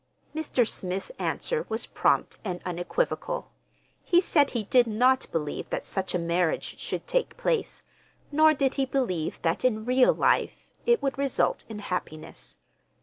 Mr. Smith's answer was prompt and unequivocal. He said he did not believe that such a marriage should take place, nor did he believe that in real life, it would result in happiness.